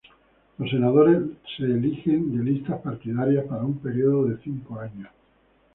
Los senadores se eligen de listas partidarias para un período de cinco años.